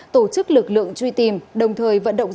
tổ chức lực lượng truy tìm đồng thời vận động